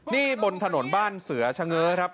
นี่บนถนนบ้านเสือชะเง้อครับ